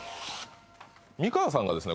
美川さんがですね